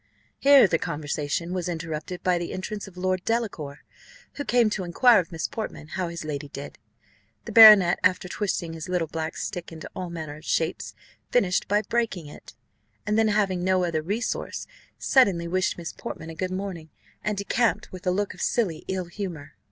Here the conversation was interrupted by the entrance of Lord Delacour, who came to inquire of Miss Portman how his lady did. The baronet, after twisting his little black stick into all manner of shapes, finished by breaking it, and then having no other resource, suddenly wished Miss Portman a good morning, and decamped with a look of silly ill humour.